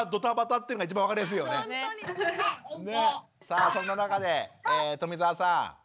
さあそんな中で冨澤さん。